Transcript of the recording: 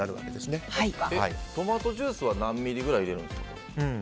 トマトジュースは何ミリぐらい入れるんですか？